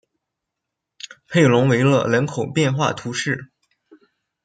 佩龙维勒人口变化图示